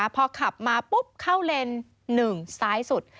พอขับมาปุ๊บเข้าเลน๑ซ้ายสุด